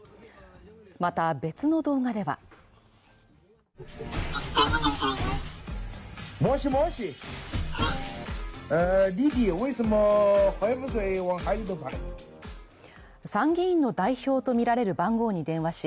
また別の動画では参議院の代表とみられる番号に電話し、